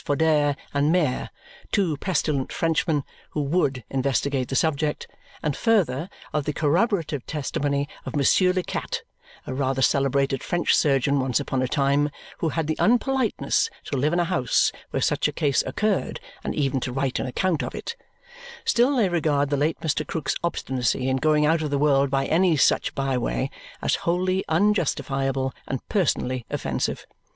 Fodere and Mere, two pestilent Frenchmen who WOULD investigate the subject; and further, of the corroborative testimony of Monsieur Le Cat, a rather celebrated French surgeon once upon a time, who had the unpoliteness to live in a house where such a case occurred and even to write an account of it still they regard the late Mr. Krook's obstinacy in going out of the world by any such by way as wholly unjustifiable and personally offensive.